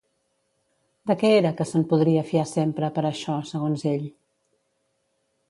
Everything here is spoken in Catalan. De què era que se'n podria fiar sempre per a això, segons ell?